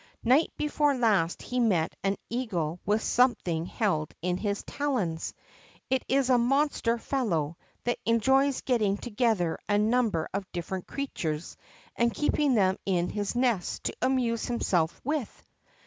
Night before last he met an eagle with something held in its talons. It is a monster fellow, that enjoys getting together a num ber of different creatures and keeping them in his nest to amuse himself with.